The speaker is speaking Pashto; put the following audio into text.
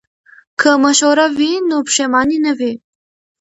که مشوره وي نو پښیمانی نه وي.